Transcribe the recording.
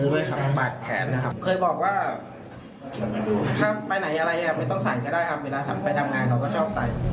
เวลาทำไปทำงานเราก็ชอบใส่